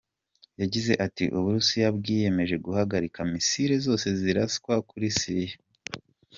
Yagize ati “Uburusiya bwiyemeje guhagarika misile zose zizaraswa kuri Siriya.